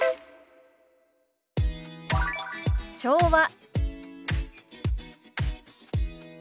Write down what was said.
「昭和」。